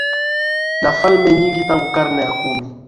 na falme nyingi Tangu karne ya kumi